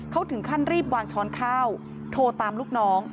เขาถึงขั้นรีบวางช้อนข้าวโทรตามลูกน้อง